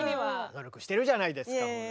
努力してるじゃないですかほら。